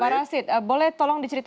pak rashid boleh tolong diceritakan